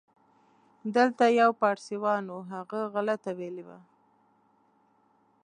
دلته یو پاړسیوان و، هغه غلطه ویلې وه.